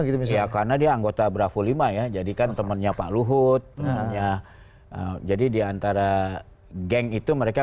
gitu bisa karena dia anggota bravo lima ya jadikan temannya pak luhut nanya